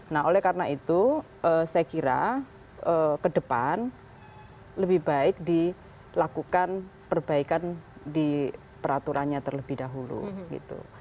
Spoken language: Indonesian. nah oleh karena itu saya kira ke depan lebih baik dilakukan perbaikan di peraturannya terlebih dahulu gitu